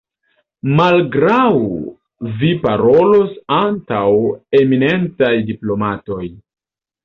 Morgaŭ Vi parolos antaŭ eminentaj diplomatoj!